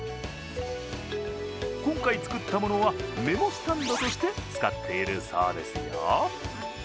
今回、作ったものはメモスタンドとして使っているそうですよ。